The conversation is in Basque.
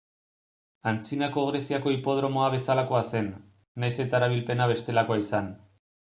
Antzinako Greziako hipodromoa bezalakoa zen, nahiz eta erabilpena bestelakoa izan.